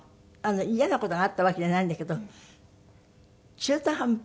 嫌な事があったわけじゃないんだけど中途半端？